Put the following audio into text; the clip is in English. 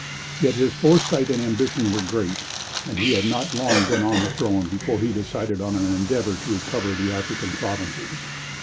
Yet his foresight and ambition were great, and he had not long been on the throne before he decided on an endeavor to recover the African provinces.